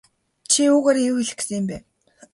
Чи үүгээрээ юу хэлэх гэсэн юм бэ?